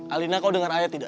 alina kau dengar ayah tidak